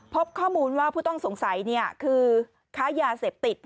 พบข้อมูลว่าผู้ต้องสงสัยคือค้ายาเสพติด